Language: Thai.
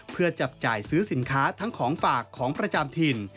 เพื่อจับจ่ายซื้อสินค้าทั้งของฝากของประจำถิ่น